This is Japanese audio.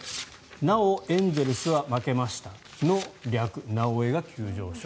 なおエンゼルスは負けましたの略「なおエ」が急上昇。